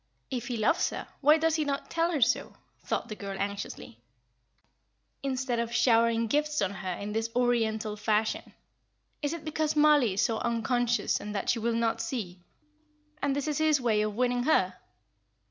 "If he loves her, why does he not tell her so?" thought the girl, anxiously, "instead of showering gifts on her in this Oriental fashion. Is it because Mollie is so unconscious and that she will not see, and this is his way of winning her?